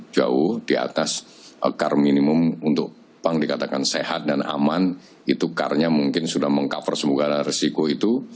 jauh di atas car minimum untuk bank dikatakan sehat dan aman itu car nya mungkin sudah meng cover semoga resiko itu